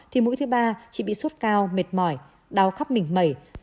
thì mũi thứ ba chỉ bị sốt cao mệt mỏi đau khắp mình mẩy